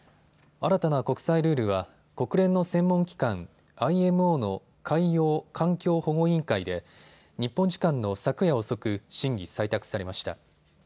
新たな国際ルールは国連の専門機関、ＩＭＯの海洋環境保護委員会で日本時間の昨夜遅く審議・採択されました。